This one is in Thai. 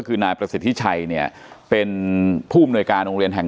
คือนายประสิทธิชัยเนี่ยเป็นผู้อำนวยการโรงเรียนแห่ง